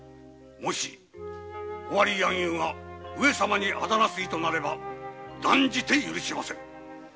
もし尾張柳生が上様にあだなす意図なれば断じて許しませぬ